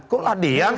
kok lah dian